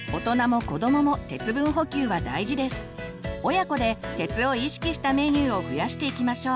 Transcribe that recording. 親子で鉄を意識したメニューを増やしていきましょう。